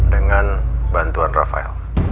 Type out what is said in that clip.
dengan bantuan rafael